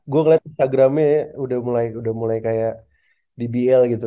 gua ngelihat instagramnya ya udah mulai kayak di ibl gitu